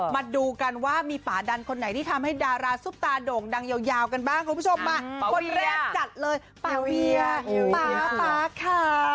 มาดูกันว่ามีป่าดันคนไหนที่ทำให้ดาราซุปตาโด่งดังยาวกันบ้างคุณผู้ชมมาคนแรกจัดเลยป่าเวียป๊าป๊าค่ะ